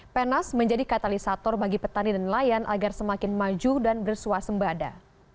penas menjadi katalisator bagi petani dan nelayan agar semakin maju dan bersuasembada